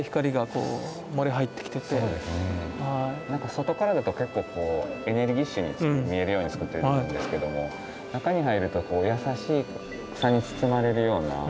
外からだと結構エネルギッシュに見えるように作ってるんですけども中に入ると優しさに包まれるような。